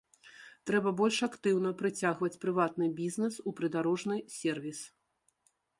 Трэба больш актыўна прыцягваць прыватны бізнэс у прыдарожны сервіс.